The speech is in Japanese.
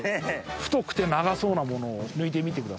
太くて長そうなものを抜いてみてください。